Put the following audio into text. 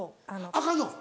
アカンの？